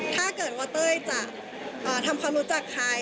ถ้าเกิดว่าเต้ยจะทำความรู้จักใคร